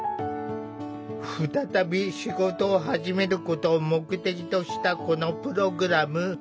再び仕事を始めることを目的としたこのプログラム。